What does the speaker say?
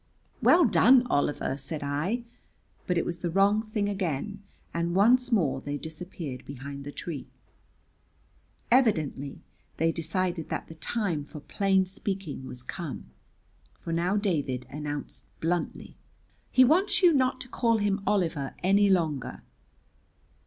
"Well done, Oliver!" said I, but it was the wrong thing again, and once more they disappeared behind the tree. Evidently they decided that the time for plain speaking was come, for now David announced bluntly: "He wants you not to call him Oliver any longer."